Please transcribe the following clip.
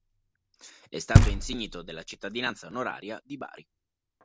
È stato insignito della cittadinanza onoraria di Bari.